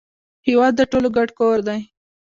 هیواد د ټولو ګډ کور دی